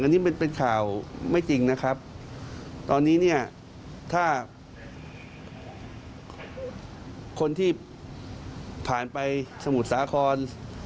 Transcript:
อันนี้มันเป็นข่าวไม่จริงนะครับตอนนี้เนี่ยถ้าคนที่ผ่านไปสมุทรสาคร